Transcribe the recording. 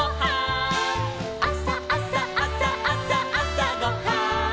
「あさあさあさあさあさごはん」